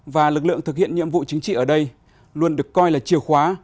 và lực lượng thực hiện nhiệm vụ chính trị ở đây luôn được coi là chiều khóa